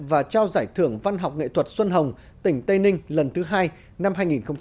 và trao giải thưởng văn học nghệ thuật xuân hồng tỉnh tây ninh lần thứ hai năm hai nghìn một mươi chín